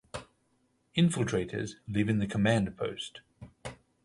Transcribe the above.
Infiltrators live in the Command Post.